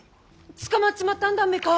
捕まっちまったんだんべか？